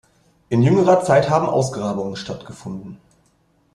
In jüngerer Zeit haben Ausgrabungen stattgefunden.